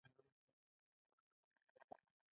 د خپلې ګېډې تاو یې پرې سوړ کړل بې رحمه دي.